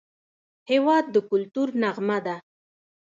هېواد د کلتور نغمه ده.